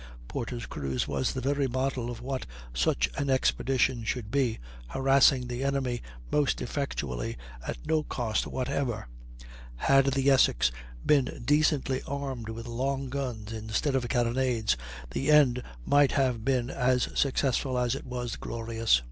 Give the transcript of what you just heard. Porter's cruise was the very model of what such an expedition should be, harassing the enemy most effectually at no cost whatever. Had the Essex been decently armed with long guns, instead of carronades, the end might have been as successful as it was glorious.